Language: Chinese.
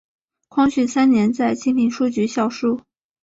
光绪三年在金陵书局校书。